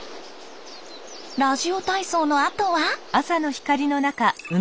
ラジオ体操のあとは。